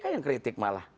pak jk yang kritik malah